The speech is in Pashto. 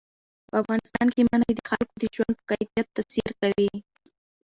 په افغانستان کې منی د خلکو د ژوند په کیفیت تاثیر کوي.